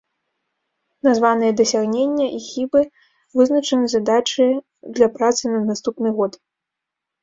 Названыя дасягнення і хібы, вызначаны задачы для працы на наступны год.